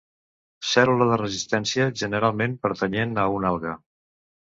Cèl·lula de resistència, generalment pertanyent a una alga.